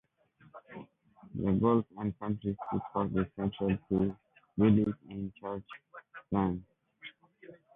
The golf and country park is central to the village in Church Lane.